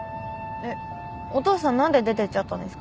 えっお父さんなんで出てっちゃったんですか？